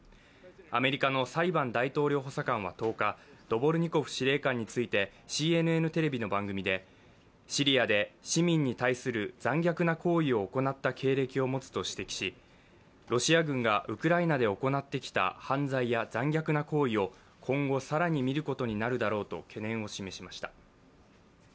アメリカのサリバン大統領補佐官は１０日ドボルニコフ司令官について、ＣＮＮテレビの番組でシリアで市民に対する残虐な行為を行った経歴を持つと指摘しロシア軍がウクライナで行ってきた犯罪や残虐な行為を今後、更に見ることになるだろうと懸念を示しました。